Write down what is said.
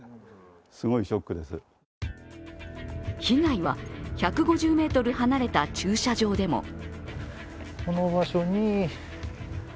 被害は１５０ｍ離れた駐車場でも。